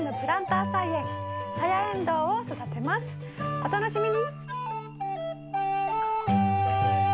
お楽しみに！